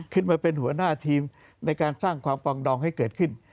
ขึ้นมาเป็นหัวหน้าทีมในการสร้างความปลองดองให้เกิดขึ้น